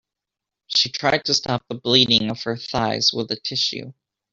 She tried to stop the bleeding of her thighs with a tissue.